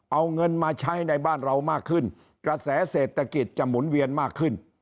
เอาเงินมาใช้ในบ้านเรามากขึ้นกระแสเศรษฐกิจจะหมุนเวียนมากขึ้น